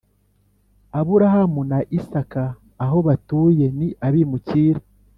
aburahamu na isaka aho batuye ni abimukira